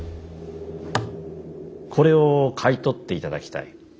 これを買い取っていただきたい。